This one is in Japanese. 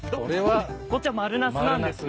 こっちは丸ナスなんですね。